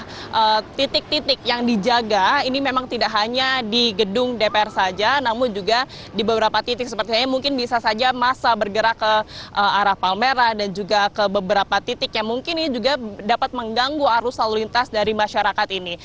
jadi mungkin dari beberapa titik yang dijaga ini memang tidak hanya di gedung dpr saja namun juga di beberapa titik seperti ini mungkin bisa saja masa bergerak ke arah palmera dan juga ke beberapa titik yang mungkin ini juga dapat mengganggu arus lalu lintas dari masyarakat ini